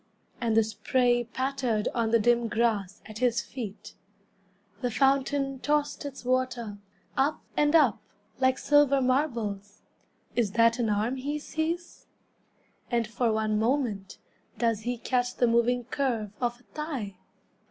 And the spray pattered On the dim grass at his feet. The fountain tossed its water, Up and up, like silver marbles. Is that an arm he sees? And for one moment Does he catch the moving curve Of a thigh?